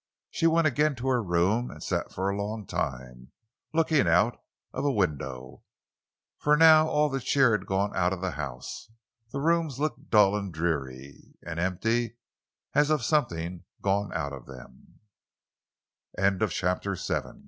She went again to her room and sat for a long time, looking out of a window. For now all the cheer had gone out of the house; the rooms looked dull and dreary—and empty, as of something gone